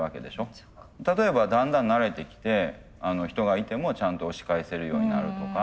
例えばだんだん慣れてきて人がいてもちゃんと押し返せるようになるとか。